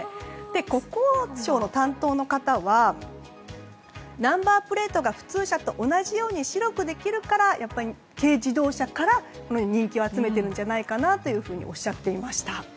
国交省の担当の方はナンバープレートが普通車と同じように白くできるから軽自動車から人気を集めているんじゃないかとおっしゃっていました。